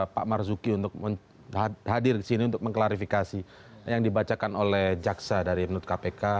pak marzuki untuk hadir di sini untuk mengklarifikasi yang dibacakan oleh jaksa dari menurut kpk